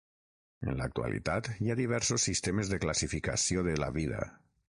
En l'actualitat hi ha diversos sistemes de classificació de la vida.